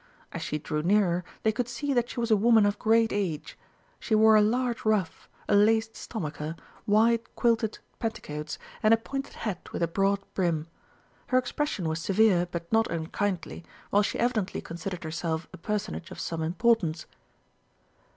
As she drew nearer they could see that she was a woman of great age. She wore a large ruff, a laced stomacher, wide quilted petticoats, and a pointed hat with a broad brim. Her expression was severe, but not unkindly, while she evidently considered herself a personage of some importance.